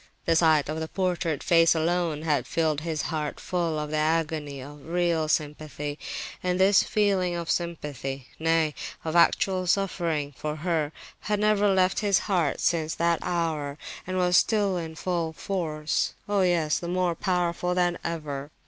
The sight of the portrait face alone had filled his heart full of the agony of real sympathy; and this feeling of sympathy, nay, of actual suffering, for her, had never left his heart since that hour, and was still in full force. Oh yes, and more powerful than ever!